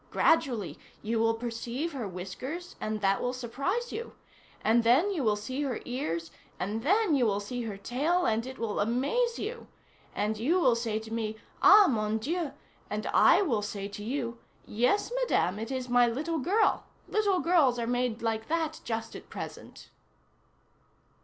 Gradually, you will perceive her whiskers, and that will surprise you. And then you will see her ears, and then you will see her tail and it will amaze you. And you will say to me, 'Ah! Mon Dieu!' and I will say to you: 'Yes, Madame, it is my little girl. Little girls are made like that just at present.